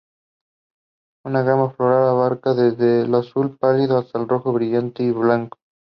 La gama floral abarca desde el azul pálido al rojo brillante y blanco.